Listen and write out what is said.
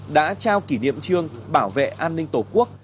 đã trao kỷ niệm trương bảo vệ an ninh tổ quốc